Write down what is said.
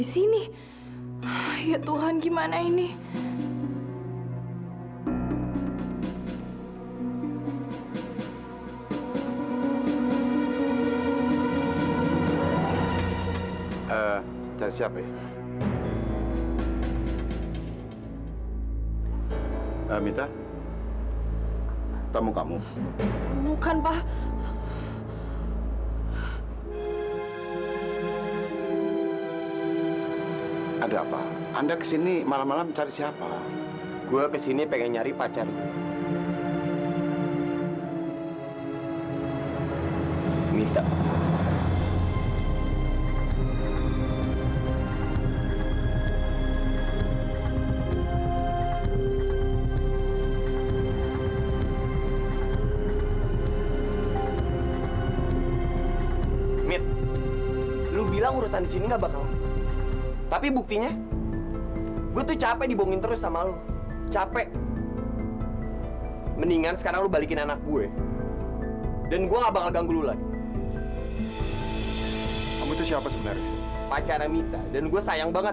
sampai jumpa di video selanjutnya